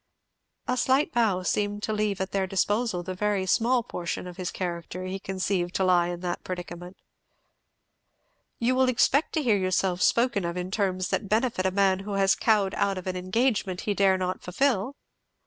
A slight bow seemed to leave at their disposal the very small portion of his character he conceived to lie in that predicament. "You will expect to hear yourself spoken of in terms that befit a man who has cowed out of an engagement he dared not fulfil?"